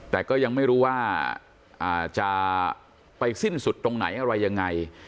แต่ก็ยังไม่รู้ว่าจะไปสิ้นสุดตรงไหนอะไรยังไง